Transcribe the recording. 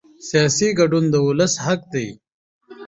سیاسي ګډون د ولس حق دی